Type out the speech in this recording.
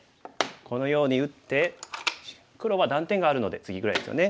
このように打って黒は断点があるのでツギぐらいですよね。